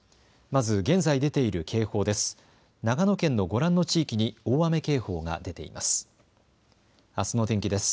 まず現在、出ている警報です。